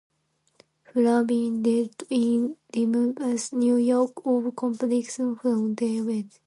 Flavin died in Riverhead, New York, of complications from diabetes.